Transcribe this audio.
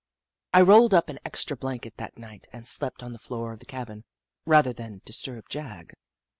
I rolled up in an extra blanket that night and slept on the floor of the cabin, rather than disturb Jagg.